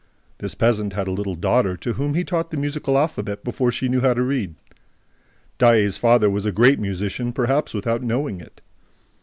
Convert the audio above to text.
This peasant had a little daughter to whom he taught the musical alphabet before she knew how to read. Daae's father was a great musician, perhaps without knowing it.